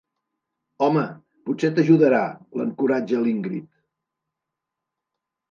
Home, potser t'ajudarà —l'encoratja l'Ingrid—.